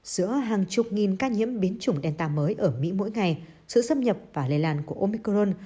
giữa hàng chục nghìn ca nhiễm biến chủng delta mới ở mỹ mỗi ngày sự xâm nhập và lây lan của omicron